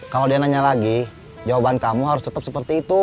kalau dia nanya lagi jawaban kamu harus tetap seperti itu